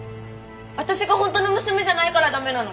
私が本当の娘じゃないから駄目なの？